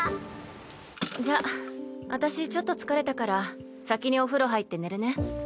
じゃあ私ちょっと疲れたから先にお風呂入って寝るね。